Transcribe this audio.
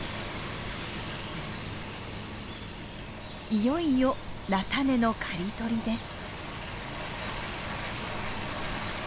いよいよ菜種の刈り取りです。